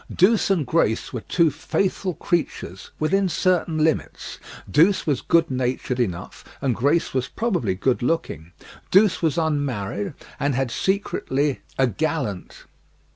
Douce and Grace were two faithful creatures within certain limits. Douce was good natured enough, and Grace was probably good looking. Douce was unmarried, and had secretly "a gallant."